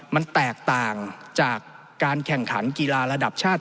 มันแตกต่างจากการแข่งขันกีฬาระดับชาติ